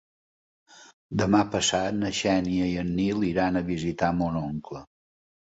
Demà passat na Xènia i en Nil iran a visitar mon oncle.